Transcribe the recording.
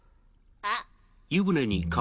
あっ！